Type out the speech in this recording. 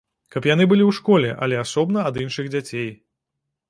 Каб яны былі ў школе, але асобна ад іншых дзяцей.